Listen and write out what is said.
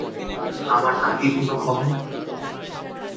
আমার নাতির কোনো খবর?